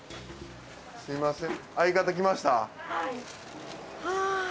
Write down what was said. すみません。